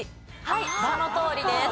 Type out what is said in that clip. はいそのとおりです。